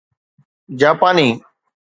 جاپاني